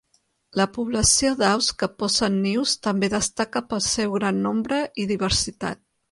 La població d'aus que posen nius també destaca pel seu gran nombre i diversitat.